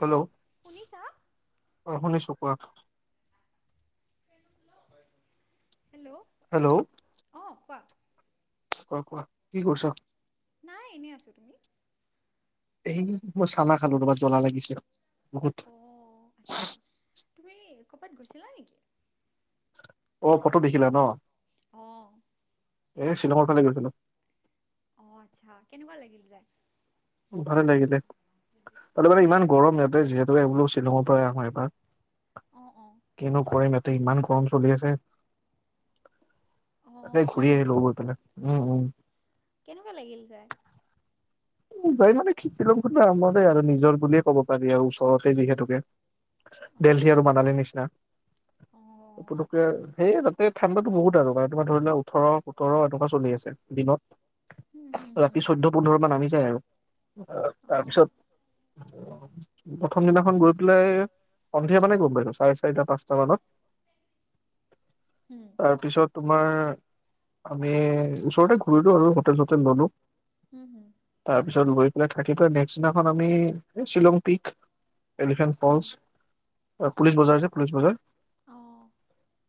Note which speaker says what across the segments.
Speaker 1: Hello অ', শুনিছো, কোৱা?
Speaker 2: হেল্ল'।
Speaker 1: হেল্ল'।
Speaker 2: অ', কোৱা।
Speaker 1: অ', কোৱা, কি কৰিছ?
Speaker 2: নাই, এনেই আছো, তুমি?
Speaker 1: এই মই চানা খালো, তাৰপা জলা লাগিছে বহুত।
Speaker 2: তুমি কৰ'বাত গৈছিলা নেকি?
Speaker 1: অ', ফটো দেখিলা ন?
Speaker 2: অহ।
Speaker 1: এ শ্বিলঙৰ ফালে গৈছিলো।
Speaker 2: অ', আচ্ছা কেনেকুৱা লাগিল যায়?
Speaker 1: ভালে লাগিলে আৰু মানে ইমান গৰম ইয়াতে, যিহেতু এই বোলো শ্বিলঙৰ পৰাই আহো এবাৰ। কিনো কৰিম ইয়াতে ইমান গৰম চলি আছে। ততে ঘূৰি আহিলোঁ গৈ পেলাই। উম, উম।
Speaker 2: [unintelligible] লাগিল যায়?
Speaker 1: যাই মানে [unintelligible] আৰু নিজৰ বুলিয়ে ক'ব পাৰি আৰু ওচৰতে যিহেতুকে। দেলহী আৰু মানালীৰ নিচিনা, পুতুককে সেই আৰু। এই ঠাণ্ডাতো বহুত আৰু, তোমাৰ ধৰি লোৱা ওঠৰ সোতৰ এনেকুৱা চলি আছে দিনত। ৰাতি চৈধ্য পোন্ধৰ মান নামি যায় আৰু তাৰপিছত প্ৰথম দিনাখন গৈ পেলাই সন্ধিয়া মানে গৈ পাইছোঁ, চাৰে চাৰিটা পাঁচটা মানত। তাৰপিছত তোমাৰ, আমি ওচৰতে ঘূৰিলো আৰু হোটেল চোতেল ললো।
Speaker 2: উম হম।
Speaker 1: তাৰপিছত গৈ পেলাই থাকি পেলাই নেক্সট দিনাখন আমি Shillong peak elephant falls, police Bazar যে পুলিচ বজাৰ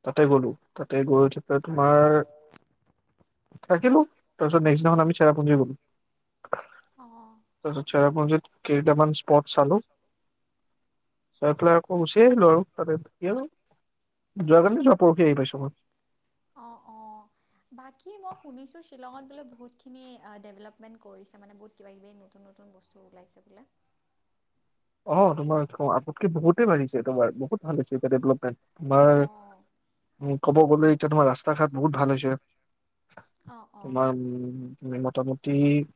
Speaker 1: তাতে গলো, তাতে গৈ উঠি পেলাই তোমাৰ থাকিলোঁ, তাৰপিছত নেক্সট দিনাখন আমি চেৰাপুঞ্জি গলো।
Speaker 2: অ।
Speaker 1: কেইটামান স্পট চালোঁ। চাই পেলাই আকৌ গুচি আহিলো আৰু, তাতে থাকি আৰু।
Speaker 2: অ, অ বাকী মই শুনিছো শ্বিলঙত বোলে বহুতখিনি ডেভলপমেণ্ট কৰিছে মানে, বহুত কিবা কিবি নতুন নতুন বস্তু ওলাইছে বোলে।
Speaker 1: [inaudible] অ তোমাৰ আগতকে বহুতে বাঢ়িছে তোমাৰ বহুত ভাল হৈছে এতিয়া ডেভলপমেণ্ট, তোমাৰ উম ক'ব গ'লে এতিয়া তোমাৰ ৰাস্তা ঘাট বহুত ভাল হৈছে। তোমাৰ উম মোটামুটি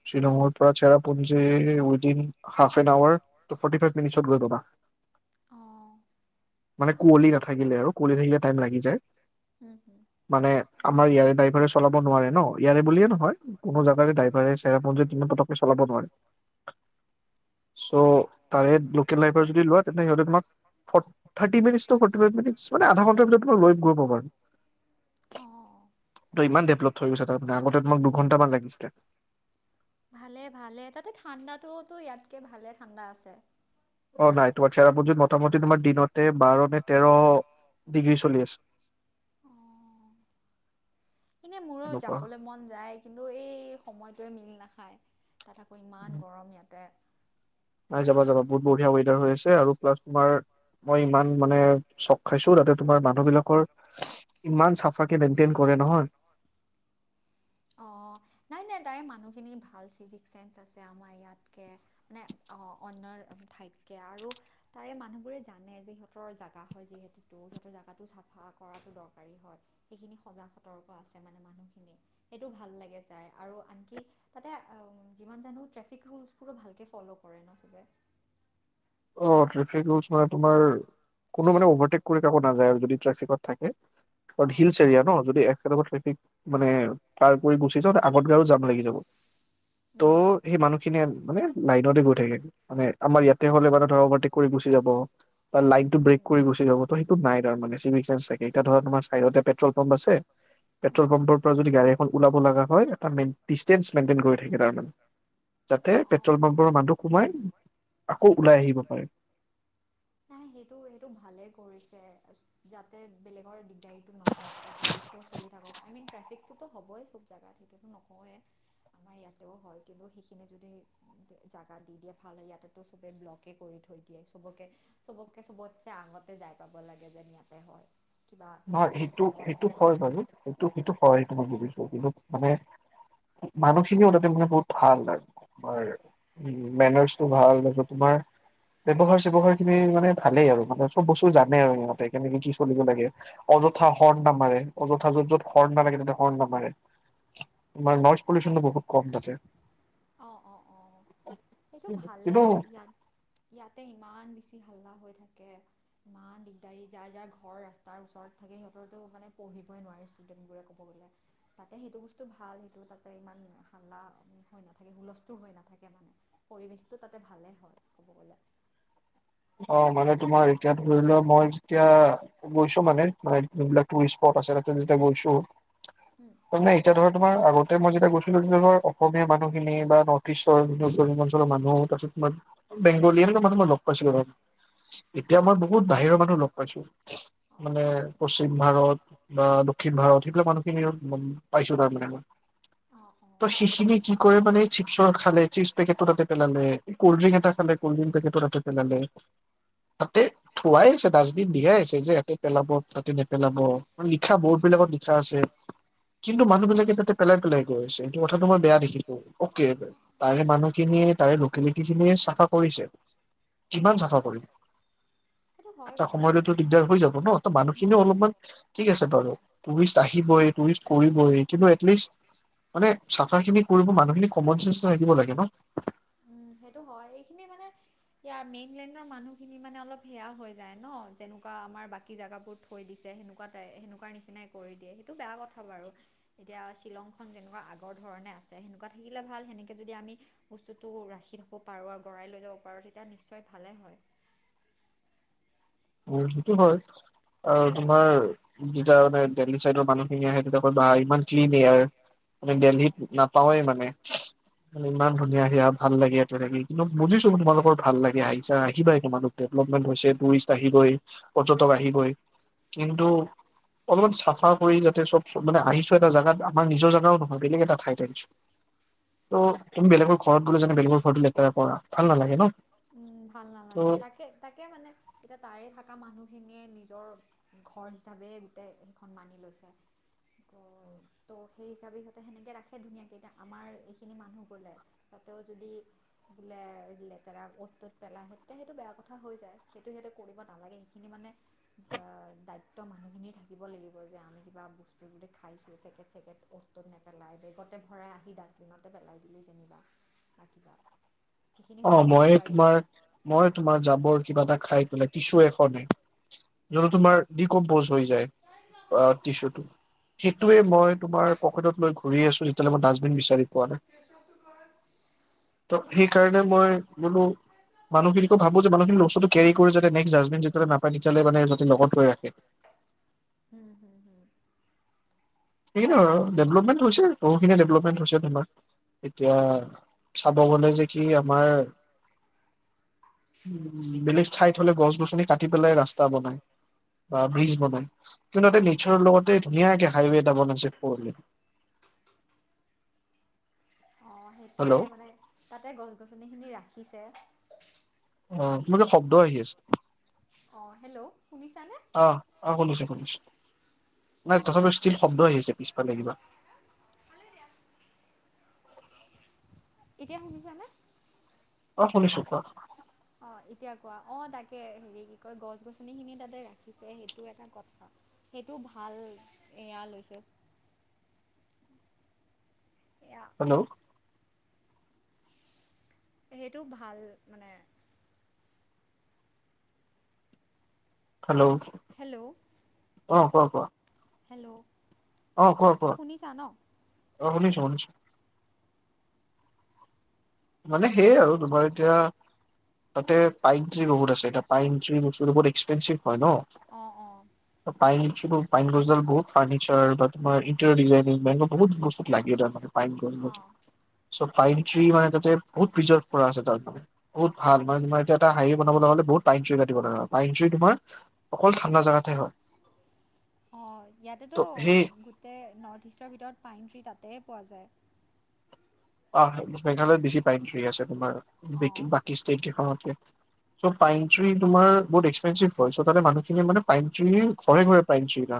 Speaker 1: শ্বিলংত পৰা Cherrapunji within half an hour এক মিনিচত গৈ পাবা। মানে কুঁৱলি নাথাকিলে আৰু কুঁৱলী থাকিলে টাইম লাগি যায়।
Speaker 2: উম।
Speaker 1: মানে আমাৰ ইয়াৰে ড্ৰাইভাৰে চলাব নোৱাৰে ন, ইয়াৰে বুলিয়ে নহয়, কোনো জাগাৰে ড্ৰাইভাৰে চেৰাপু তমান পতকে চলাব নোৱাৰে চ' তাৰে লোকেল ড্ৰাইভাৰ যদি লোৱা তেন্তে সিহঁতে তোমাক থাৰি মিনট মানে আধা ঘণ্ট ভিতৰত তোম লৈ গৈ পাবাৰ আৰু
Speaker 2: অ অ
Speaker 1: ত ইমান ডেভলপথ গৈছে তাৰ মানে আগতে তোমাক দুঘন্টাামান লাগিছিলে
Speaker 2: ভালে ভালে তাতে ঠাণ্ডাটোতো ইয়াতকে ভালে ঠাণ্ডা আছে
Speaker 1: অ নাই, তোমাৰ চেৰাপুঞ্জিত মোটামুটি তোমাৰ দিনতে বাৰ নে তেৰ, ডিগ্ৰী চলি আছে।
Speaker 2: মানে মোৰো যাবলে মন যায়। কিন্তু এই সময়টোৱে মিল নাখায়, তাত আকৌ ইমান গৰম ইয়াতে।
Speaker 1: নাই যাবা যাবা, বহুত বঢ়িয়া ৱেডাৰ হৈ আছে আৰু প্লাছ তোমাৰ মই ইমান মানে চখ খাইছো, তাতে তোমাৰ মানুহ বিলাকৰ ইমান চাফাকে মেইনটেইন কৰে নহয়।
Speaker 2: তাইৰ মানুহখিনি ভাল চিভিক চেন্স আছে আমাৰ ইয়াতকৈ মানে অন্য ঠাইত াকে আৰু তাৰে মানুহবোৰে জানে যে সিহঁতৰ জেগা হয় যিহেতুো সিহঁতৰ জেগাটো চাফা কৰা টো দৰকাৰী হয় সেইখিনি সজাগ সতৰ্ক আছে মানে মানুহখিনি সেইটো ভাল লাগে চাই আৰু আনকি তাতে যিমান জানো ট্ৰেফিক ৰোলবোৰো ভালকে ফল' কৰে ন চবে
Speaker 1: [inaudible] অ টফিক ৰোলচ মানে তোমাৰ কোনো মানে অভাৰটক কৰি কো নাযায় আৰু যদি ফিকত থাকে হিলছ এৰিয়া ন যদি এক মানে পাৰ কৰি গুচি যাওঁ আগত গাৰো যাম লাগি যাব ত' সেই মানুহ খিনিয়ে মানে লাইনতে গৈ থাকে মানে আমাৰ ইয়াতে হলে মান ভাৰ গ যাব লটো ব্ৰ গ যাবটো ন মানে চিভ চে থাকে এ ধৰ তোমাৰ চাইডতে পেট্ৰল পাম্প আছে পেট্ৰল পাম্পৰ পৰা যদি গাড়ী এখন ওলাব লগা হয় এটােইন ডিষ্টেঞ্চ মেইনটেইন কৰি থাকে তাৰমানে যাতে পেট্ৰল পাম্পৰ মানুহ সোমাই আকৌ ওলাই আহিব পাৰে
Speaker 2: ন সেই সেই ভালে কৰি যাতে বেলেগৰ দিগ ন আৰু চলি থাকক আইমিন ট্ৰেফিকটোতো হ'বই চব জেগাত সেইটোতো নকয়েই আমাৰ ইয়াতেও হয় কিন্তু সেইখিনি যদি জাগা দি দিয়ে ভাল হয় ইয়াতেো চবে ব্লক কৰি থৈ দিয়ে চবকে চবকে চবতে আঙতে যাই পাব লাগে যেন ইয়াতে হয়
Speaker 1: নহয় সেইটো সেইটো হয় বাৰু সেইটো সেইটো হয় সেইটো মই ভুজিছো কিন্তু মানে মানুহখিনি তে মানে বহুত ভাল লাগে তোমাৰ মেনাৰছটো ভাল তোমাৰ ব্যৱহাৰ চ্ৱহাৰ খিনি মানে ভালেই আৰু মানে চব বস্তু জানে আৰু সিহতে কেনেকে কি চলিব লাগে অযথা হৰ্ণ নামাৰে অযথা য'ত য'ত হৰ্ণ নালাগে তেন্তয়া হৰ্ণ নামাৰে মাৰ নইজ পলিউশনটো বহুত কম তছে অ
Speaker 2: সেইটো ভালে ইয়াত ইয়াতে ইমান বেছি হাল্লা হৈ থাকে ইা দিগদাৰি যাৰ যাৰ ঘৰ ৰাস্তাৰ ওচৰত থাকে সিহঁতৰো মানে পঢ়িবই নোৱাৰে ষ্টুডেণ্টবোৰে ক'ব গ'লে তাতে সেইটো বস্তু ভাল সেইটো তাতে ইমান হাল্লা হৈ নাথাকে হুলস্থুৰ হৈ নাথাকে মানে পৰিৱেশটো তাতে ভালেই হয় ক'ব গ'লে
Speaker 1: অ মানে তোমাৰ এতিয়া ধৰি লোৱা মই যেতিয়া গৈছো মানে ম যবিলাক ুৰিষ্ট স্প আছে যেতিয়া গৈছো তাৰে এতিয়া ধৰা তোমাৰ আগতে মই যেতিয়া গৈছিলো তেতিয়া ধ অসমীয়া মানুহখিনি বা নৰ্থ ইষ্টৰৰিাঞ্চলৰ মানুহ তাৰিছত তোম বেংগলী এনেুৱা মানুহ লগ পাইছো এতিয়া মই বহুত বাহিৰৰ মানুহ লগ পাইছো মানে পশ্চিম ভাৰত বা দক্ষিণ ভাৰত সেইবিলাক মানুহখিনি পাইছো তাৰমানানে মই ত' সেইখিনি কি কৰে মানে চিপছ খে চিপ পেকেতটো তা পালে কল্ড ড্ৰিং এটা খালে কলড্ৰিংকেটো তাতে [inaudible] তাতে থোৱাই আছে ডাষ্টবিন, দিয়াই আহিছে যে, ইয়াতে পেলাব, তাতে নেপেলাব, লিখা বৰ্ড বিলাকত আছে কিন্তু মানুহবিলাকে তাতে পেলাই, পেলাই গৈছে, এইটো কথাটো মই বেয়া দেখি অ'কে, তাৰে মানুহখিনিয়ে, তাৰে লোকেলিটিখিনিয়ে চাফা কৰিছে। কিমান চাফা কৰি এটা সময়লৈতো দিগদাৰ হৈ যাব ন' ত' মানুহখিনিও অলপমান ঠিক আছে বাৰু টুৰিষ্ট আহিবয়েই টুৰিষ্ট কৰিবই কিন্তু এটলিষ্ট মানে, চাফাখিনি কৰিব মানুখিনি কমণচেঞ্চটা থাকিব লাগে।
Speaker 2: উম, সেইটো হয়, এইখিনি মানে সেয়াৰ মেইনলেণ্ডৰ মানুহখিনি মানে অলপ সেয়া হৈ যায় ন যেনেকুৱা আমাৰ বাকী জাগাবোৰ থৈ দিছে সেনেকুৱাই সেনেকুৱা নিচিনাই কৰি দিয়ে সেইটো বেয়া কথা বাৰু এতিয়া শ্বিলংখন যেনেকুৱা আগৰ ধৰণে মানে আছে সেনেকুৱা থাকিলে ভাল সেনেকৈ যদি আমি বস্তুটো ৰাখি থব পাৰোঁ আৰু গৰাই লৈ যাব পাৰো তেতিয়া নিশ্চয় ভালে হয়
Speaker 1: অ সেইটো হয় আৰু তোমাৰ যেতিয়া মানে দেলহী চাইডৰ মানুহখিনি আহে তেতিয়া কা হা ইমান ক্লিন এয়াৰ মানে দেলহিতত নাপাওঁ মানে মানে ইমান ধুনীয়া আহিয়ে ভাল লাগে [unintelligible] বুজিছোঁ, তোমালোকৰ ভাল লাগে, আহিছা আহিবাই তোমালোকে [unintelligible] [unintelligible] টোৰিষ্ট আহিবই, পৰ্যটক আহিবই, কিন্তু অলপমান চাফ চফা কৰি যাতে চব মানে আহিছোঁ এটা জোগাত, আমাৰ নিজৰ জেগাও নহয়, বেলেগ এটা ঠাইত আহিছোঁ। ত' তুমি বেলেগৰ ঘৰত গ'লে [unintelligible] জানোঁ বেলেগৰ ঘৰতো লেতেৰা কৰা? ভাল নালাগে ন?
Speaker 2: ভাল নালাগে, তাকে, তাকে, মানে তাৰে থাকা মানুহখিনিয়ে নিজৰ ঘৰ হিচাপে গোটেইখন মানি লৈ ত', ত' সেই হিচাপে সিহঁতে সেনেকে ৰাখে ধুনীয়াকে এতিয়া আমাৰ এইখিনি মানুহ গ'লে তাতে যদি বোলে লেতেৰা অ'ত, ত'ত পেলাই আহে তেতিয়া সেইটো বেয়া কথা হৈ যায়, সেইটো সিহঁতে কৰিব নালাগে সেইখিনি মানে দা-দায়িত্ব মানুহখিনিৰ থাকিব লাগিব যে, আমি কিবা বস্তু [unintelligible] খাইছোঁ পেকেট, চেকেট অ'ত, ত'ত নেপেলাই বেগতে ভৰাই আহি ডাষ্টবিনতে পেলাই দিলোঁ। যেনিবা বা কিবা।
Speaker 1: অ', ময়ে তোমাৰ, মই তোমাৰ জাবৰ কিবা এটা খাই পেলাই টিছু এখনে যদি তোমাৰ ডিকম্প'জ হৈ আ, যায় টিচুটো সেইটোৱে মই তোমাৰ পকেটত লৈ ঘূৰি আছোঁ যেতিয়ালৈ মই ডাষ্টবিন বিচাৰি পোৱা নাই, ত' সেইকাৰণে মই বোলোঁ মানুহখিনিকো ভাবো যে মানুহখিনি [inaudible] কেৰি কৰি যাতে নেক্সট জাজমেন যেতিয়ালৈ নপায় তেতিয়ালে লগত লৈ ৰাখে। [inaudible] কিনো আৰু ডেভলপমেণ্ট হৈছে আৰু বহুখিনি ডেভলপমেণ্ট হৈছে তোমাৰ। এতিয়া চাব গ'লে যে কি আমাৰ। উ বেলেগ ঠাইত হ'লে গছ গছনি কাটি পেলাই ৰাস্তা বনাই। বা ব্ৰিজ বনাই কিয়নো তাতে নেচাৰৰ লগতে ধুনীয়াকে হাইৱেট। [inaudible]
Speaker 2: অ' সেইটোৱে মানে তাতে গছ -গছনি খিনি ৰাখিছে।
Speaker 1: অ' মানে শব্দ আহি আছে। অ' অ' শুনিছোঁ, শুনিছোঁ নাই তথাপিও ষ্টীল শব্দ আহি আছে পিছফালে কিবা।
Speaker 2: এতিয়া শুনিছানে?
Speaker 1: অ' শুনিছো কোৱা।
Speaker 2: এতিয়া কোৱা অ' তাকে হেৰি কি কয় গছ গছনিখিনি তাতে ৰাখিছে সেইটো এটা কথা। এইটো ভাল এয়া লৈছে।
Speaker 1: [inaudible] হেল্ল'।
Speaker 2: সেইটো ভাল মানে।
Speaker 1: হেল্ল'।
Speaker 2: হেল্ল'
Speaker 1: অ কোৱা কোৱা
Speaker 2: হেল্ল' শুনিছা ন
Speaker 1: অ শুনিছো শুনিছো মানে সেইয়াই আৰু তোমাৰ এতিয়া তাতে পাইন ট্ৰি বহুত আছে এটা পাইন টি বস্তত এক্সপেনিভ হয় ন পাই ন পাইন গছদাল বহুত ফাৰ্নিচাৰ বা তোমাৰ ইন্তৰ ডিজাইন বা এনেকুৱা বহুত বস্তুত লাগেে মানে। পাইন গছ চ' পাইন ট্ৰি মানে টো। বহুত প্ৰজাৰ্ভ কৰা আছে, তাৰ মানে বহুত ভাল মান তোমাৰ এতিয়া এটা হেৰি বনাব লগা হ'লে বহু [inaudible] লগা হব পাৰে। [inaudible] অকল ঠাণ্ডা জেগাত হে হয়।
Speaker 2: অ ইয়াতেতো গোটেই নৰ্থ ইষ্টৰ ভিতৰত পাইন ট্ৰি তাতে পোৱা যায়
Speaker 1: আহ হয় মেঘালয়ত বেছি পাইনটি আছে তোমাৰ বাকী ষ্টেট কেইখনত কে। চ' পাইনট্ৰি তোমাৰ বহুত এক্সপেনচিভ হয় চ তাতে মানুহখিনিয় মানে পাইন ট্ৰি ঘৰে ঘৰে পাইনট্ৰি [inaudible]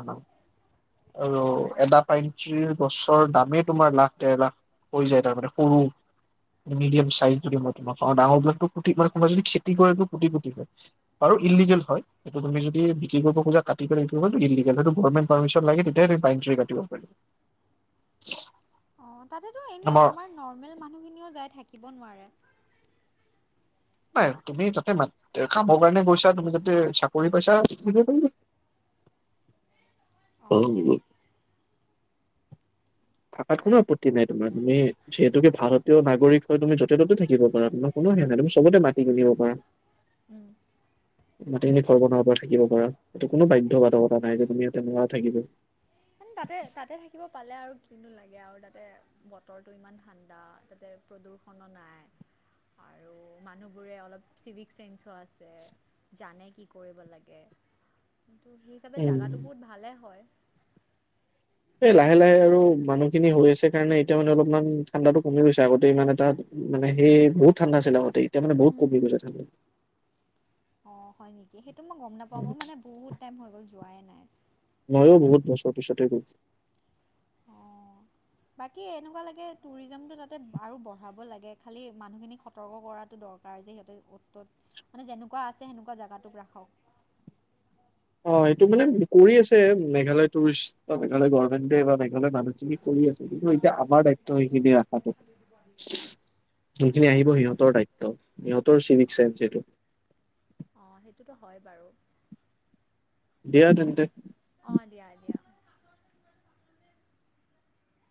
Speaker 1: আৰু এদ পাইটিৰ গছৰৰ দামেই তোমাৰ লাখ দেৰ লাখ হৈ যায় [unintelligible] মিডিয়াম চাইজ যদি মই তোমাক পা ডাঙৰ বিলাকো ফুি মানে কোব যদিেতি কৰেটো ফুটি ফুটি যায় আৰু ইনলিগল হয় এইটো তুমি যদি বিক্ৰী কৰিব খোজা কাটিল হয়টোমেণ্ট পাৰিশন লাগে তেতি কাটিব পাৰ
Speaker 2: অ তাতেতো এনে আমাৰ নৰ্মেল মানুহখিনিও যাই থাকিব নোৱাৰে
Speaker 1: নাই তুমি তাতে ম কামৰ কাৰণে গৈছা তুমি তাতে পইচা দ পাৰ থাকাত কোনো আপত্তি নাই তমাৰ তুমি যিহেতুকে ভাৰতীয় নাগৰিক হয় তুমি য'তে ত'তেো থাকিব পাৰা তাৰ নয়ে নহয় তু চবতে মাটি পিন্ধিব পাৰা
Speaker 2: [unintelligible]
Speaker 1: মাটিখিনি ঘৰ বনোৱাৰ পৰা থাকিব পাৰা এইটো কোনো বাধ্য বাধকতা নাই যে তুমি ইয়াতে নোৱাৰা থাকিব
Speaker 2: মানে তাতে তাতে থাকিব পালে আৰু কিনো লাগে আৰু তাতে বতৰটো ইমান ঠাণ্ডা তাতে প্ৰদূষণো নাই আৰু মানুহবোৰে অলপ চিভিক চেঞ্চো আছে জানে কি কৰিব লাগে কিন্তু সেই হিচাপে জাগাতো বহুত ভালে হয়
Speaker 1: লাহে লাহে আৰু মানুহ খিনি হৈ আছে কাৰণে এতিয়া মানে অলপমান ঠাণ্ডাটো কমি গৈছে আগতে ইমান এটা মানে সেই বহুত ঠাণ্ডা চিলাতে এতিয়ানে বহুত কমি গৈছে ঠাণ্ডা
Speaker 2: অঁ হয় নেকি সেইটো মই গম নাপাওঁ ম মানে বহুত টাইম হৈ গ'ল যোৱাই নাই
Speaker 1: ভৱিষ্যতে গৈছে
Speaker 2: বাকী এনেকুৱা লাগে টুৰিজমটো তাতে আৰু বঢ়াব লাগে খালি মানুহখিনিক সতৰ্ক কৰাতটো দৰ কাৰ যে সিহঁতে উতত মানে যেনেকুৱা আছে সেনেকুৱা জেগাটোক ৰাখক।
Speaker 1: অ এইটো মানে কৰি আছে মেঘালয় টুৰিষ্ট বা মেঘালয় গভৰ্মেণ্টে বা মেঘালয়ৰ মানুহ কৰি আছে কিন্তু এতিয়া আমাৰ দায়িত্ব সেইখিনি ৰাখা যোনখিনি আহিব সিহঁতৰ দায়িত্ব, সিহঁতৰ চিভিক চেন্স সেইটো। দিয়া তেন্তে।
Speaker 2: অ দিয়া দিয়া।